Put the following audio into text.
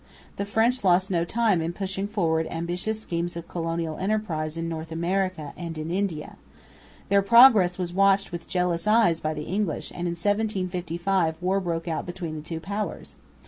The French lost no time in pushing forward ambitious schemes of colonial enterprise in North America and in India. Their progress was watched with jealous eyes by the English; and in 1755 war broke out between the two powers.